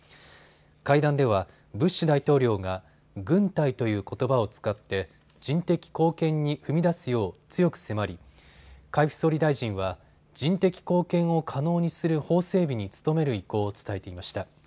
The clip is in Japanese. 会談では、ブッシュ大統領が軍隊ということばを使って人的貢献に踏み出すよう強く迫り、海部総理大臣は人的貢献を可能にする法整備に努める意向を伝えていました。